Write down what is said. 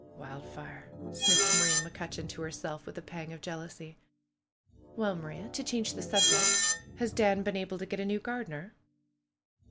^AVildfire !" sniffed Maria McCutcheon to herself with a pang of jealousy. ^'^Well, Maria, to change the subject, has Dan been able to get a new gardener?"